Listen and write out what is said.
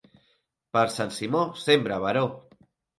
Per Sant Simó, sembra, baró.